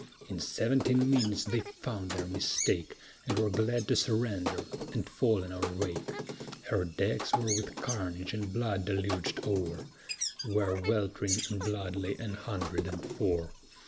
In seventeen minutes they found their mistake, And were glad to surrender and fall in our wake; Her decks were with carnage and blood deluged o'er, Where welt'ring in blood lay an hundred and four.